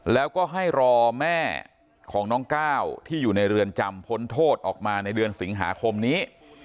แล้วก็ให้รอแม่ของน้องก้าวที่อยู่ในเรือนจำพ้นโทษออกมาในเดือนสิงหาคมนี้